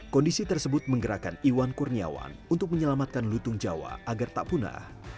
kondisi tersebut menggerakkan iwan kurniawan untuk menyelamatkan lutung jawa agar tak punah